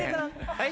はい？